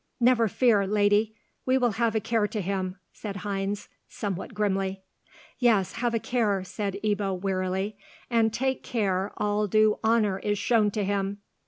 "Never fear, lady; we will have a care to him," said Heinz, somewhat grimly. "Yes, have a care," said Ebbo, wearily; "and take care all due honour is shown to him!